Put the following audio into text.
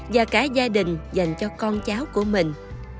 và cả gia đình dành cho con cháu của mình